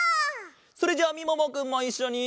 それじゃあみももくんもいっしょに。